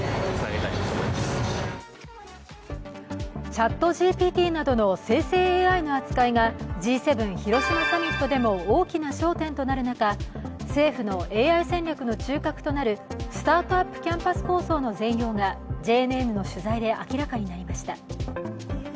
ＣｈａｔＧＰＴなどの生成ＡＩの扱いがＧ７広島サミットでも大きな焦点となる中、政府のＡＩ戦略の中核となるスタートアップ・キャンパス構想の全容がＪＮＮの取材で明らかになりました。